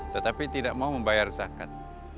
tetapi tidak mau membayar zakat